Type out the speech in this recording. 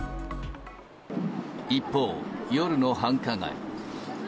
一方、夜の繁華街。